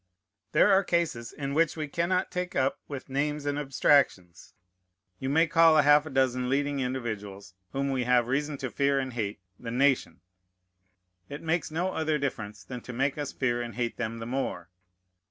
There are cases in which we cannot take up with names and abstractions. You may call half a dozen leading individuals, whom we have reason to fear and hate, the nation. It makes no other difference than to make us fear and hate them the more.